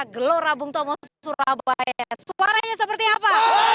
gelora bung tomo surabaya suaranya seperti apa